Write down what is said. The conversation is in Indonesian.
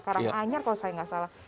karang anyar kalau saya nggak salah